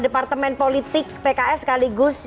departemen politik pks sekaligus